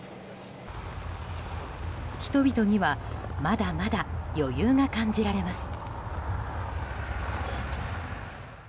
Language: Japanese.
人々にはまだまだ余裕が感じられます。